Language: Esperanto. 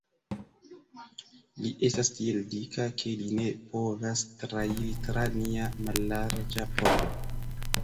Li estas tiel dika, ke li ne povas trairi tra nia mallarĝa pordo.